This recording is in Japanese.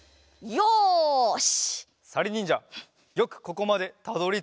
よし。